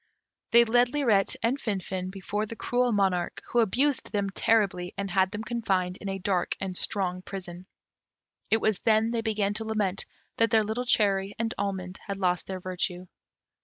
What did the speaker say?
They led Lirette and Finfin before the cruel monarch, who abused them terribly, and had them confined in a dark and strong prison: it was then they began to lament that their little cherry and almond had lost their virtue.